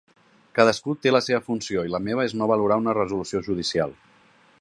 Cadascú té la seva funció i la meva és no valorar una resolució judicial.